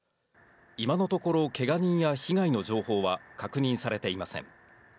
今のところ、けが人や被害の情報は確認されていません。